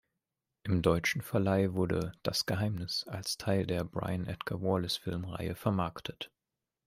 Im deutschen Verleih wurde "Das Geheimnis" als Teil der Bryan-Edgar-Wallace-Filmreihe vermarktet.